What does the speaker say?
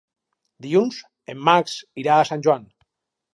Dilluns en Max irà a Sant Joan.